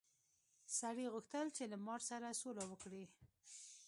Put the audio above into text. سړي غوښتل چې له مار سره سوله وکړي.